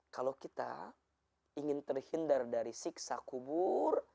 kalau kita ingin terhindar dari siksa kubur